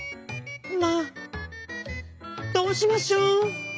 「まあどうしましょう！？」。